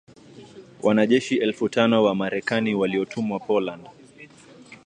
wanajeshi elfu tano wa Marekani waliotumwa Poland